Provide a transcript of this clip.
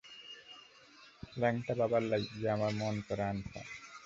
ল্যাংটা বাবার লাইগ্যা আমার মন করে আনচান!